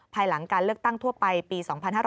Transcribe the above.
ภายหลังการเลือกตั้งทั่วไปปี๒๕๕๙